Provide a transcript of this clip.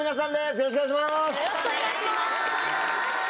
よろしくお願いします！